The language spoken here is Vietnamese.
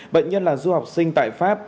bệnh nhân là du học sinh tại pháp